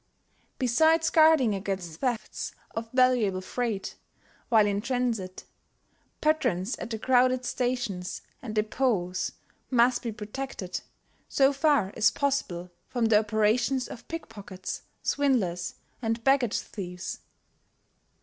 Besides guarding against thefts of valuable freight while in transit, patrons at the crowded stations and depots must be protected so far as possible from the operations of pickpockets, swindlers and baggage thieves.